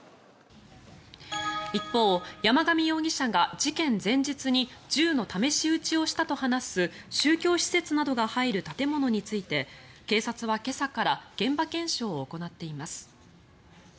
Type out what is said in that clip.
一方、山上容疑者が事件前日に銃の試し撃ちをしたと話す宗教施設などが入る建物について警察は、今朝から現場検証を行っています。